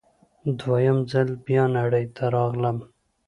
دوه یم ځل بیا نړۍ ته راغلم